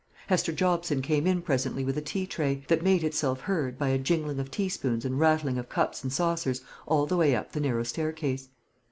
Hester Jobson came in presently with a tea tray, that made itself heard, by a jingling of teaspoons and rattling of cups and saucers, all the way up the narrow staircase.